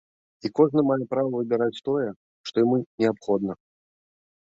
І кожны мае права выбіраць тое, што яму неабходна.